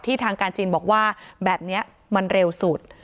ทางการจีนบอกว่าแบบนี้มันเร็วสุด